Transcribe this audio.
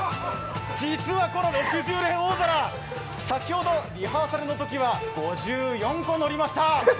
実はこの６０連大皿、先ほどリハーサルのときは５４個乗りました。